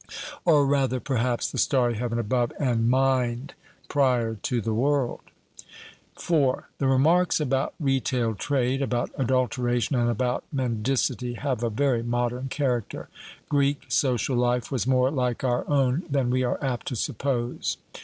Or rather, perhaps, 'the starry heaven above and mind prior to the world.' IV. The remarks about retail trade, about adulteration, and about mendicity, have a very modern character. Greek social life was more like our own than we are apt to suppose.